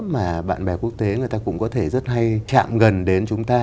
mà bạn bè quốc tế người ta cũng có thể rất hay chạm gần đến chúng ta